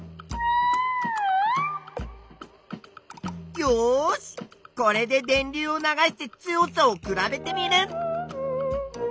よしこれで電流を流して強さを比べテミルン！